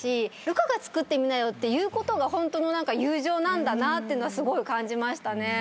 「ルカがつくってみなよ」っていうことがホントの友情なんだなとすごい感じましたね。